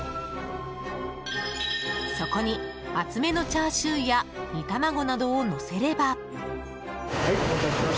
そこに厚めのチャーシューや煮卵などをのせれば。